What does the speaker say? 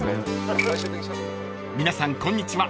［皆さんこんにちは